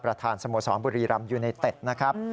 ประธานสโมสรบุรีรัมย์อยู่ในเต็ดนะครับ